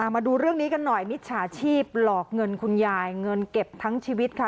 มาดูเรื่องนี้กันหน่อยมิจฉาชีพหลอกเงินคุณยายเงินเก็บทั้งชีวิตค่ะ